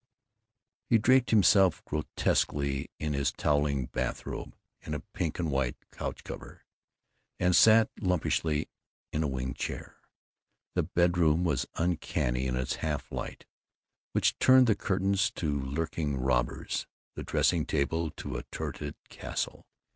He draped himself grotesquely in his toweling bathrobe and a pink and white couch cover, and sat lumpishly in a wing chair. The bedroom was uncanny in its half light, which turned the curtains to lurking robbers, the dressing table to a turreted castle.